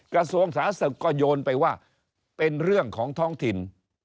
กระทรวงสาธารณสุขก็โยนไปว่าเป็นเรื่องของท้องถิ่น